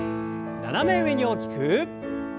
斜め上に大きく。